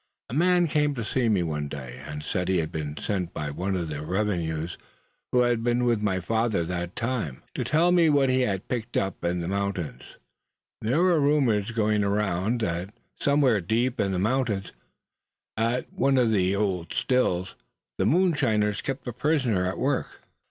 "A man came to me one day, and said he had been sent by one of the revenues who had been with my father that sad time, to tell me what he had picked up in the mountains. There were rumors going around that somewhere deep in the mountains, at one of the secret Stills, the moonshiners kept a prisoner at work.